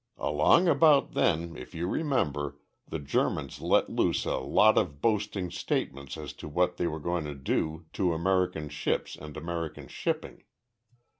Along about then, if you remember, the Germans let loose a lot of boasting statements as to what they were going to do to American ships and American shipping.